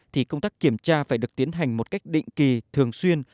thì công tác kiểm tra phải được tiến hành một cách định kỳ thường xuyên